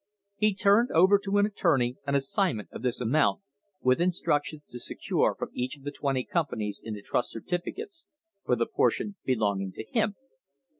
He turned over to an attornev an assignment of this amount, with instructions to secure f iom each of twenty companies in the trust stock certificates for the portion be longing to him.